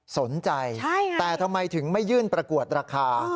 สนใจแต่ทำไมถึงไม่ยื่นประกวดราคา